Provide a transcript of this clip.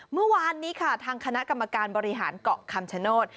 เมื่อวานนี้ค่ะทางคณะกรรมการบริหารเกาะคำชโนธ